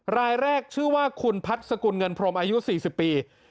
รายแรกชื่อว่าคุณพัฒน์สกุลเงินพรมอายุ๔๐ปี